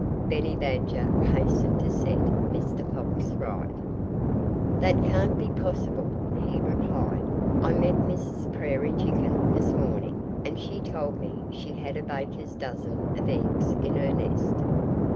Benny Badger hastened to set Mr. Fox right. "That can't be possible," he replied. "I met Mrs. Prairie Chicken this morning and she told me she had a baker's dozen of eggs in her nest."